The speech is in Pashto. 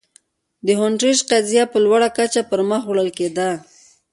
د هونټریج قضیه په لوړه کچه پر مخ وړل کېده.